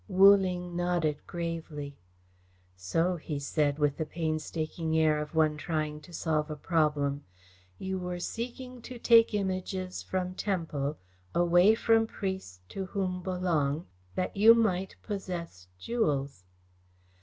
Wu Ling nodded gravely. "So," he said, with the painstaking air of one trying to solve a problem, "you were seeking to take Images from temple, away from priests to whom belong, that you might possess jewels."